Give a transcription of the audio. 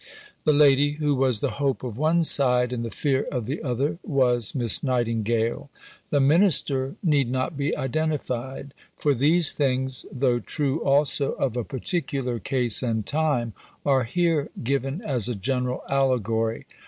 The lady, who was the hope of one side and the fear of the other, was Miss Nightingale. The Minister need not be identified; for these things, though true also of a particular case and time, are here given as a general allegory.